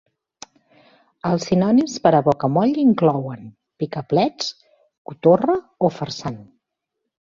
Els sinònims per a bocamoll inclouen: picaplets, cotorra, o farsant.